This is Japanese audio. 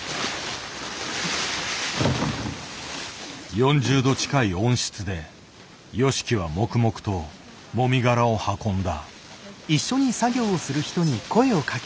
４０度近い温室でＹＯＳＨＩＫＩは黙々ともみ殻を運んだ。